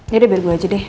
yaudah biar gue aja deh